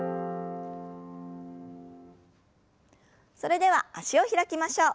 それでは脚を開きましょう。